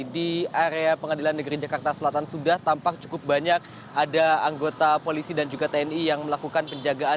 di area pengadilan negeri jakarta selatan sudah tampak cukup banyak ada anggota polisi dan juga tni yang melakukan penjagaan